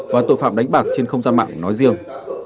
và tội phạm đánh bạc trên không gian mạng nói riêng